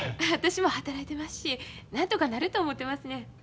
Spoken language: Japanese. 私も働いてますしなんとかなると思てますねん。